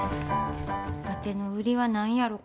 わての売りは何やろか？